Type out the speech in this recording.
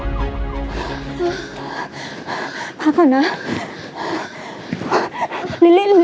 อืมพักก่อนนะลิลิลิลิ